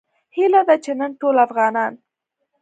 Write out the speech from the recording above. هیله ده چې نن ټول افغانان